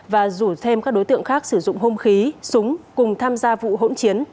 và rủ thêm các đối tượng khác sử dụng hông khí súng cùng tham gia vụ hỗn chiến